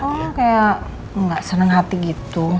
oh kayak gak seneng hati gitu